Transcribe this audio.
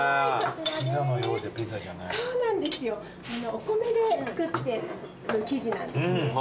お米で作ってる生地なんですね。